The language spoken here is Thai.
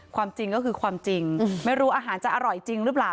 ความจริงก็คือความจริงไม่รู้อาหารจะอร่อยจริงหรือเปล่า